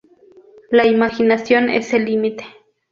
La imaginación es el límite.